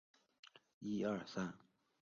中国人民解放军空军上将。